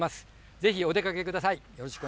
ぜひお出かけください。